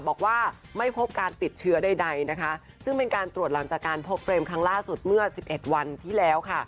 บอกว่าไม่พบการติดเชื้อใดนะคะซึ่งเป็นการตรวจหลังจากการพบเฟรมครั้งล่าสุดเมื่อ๑๑วันที่แล้วค่ะ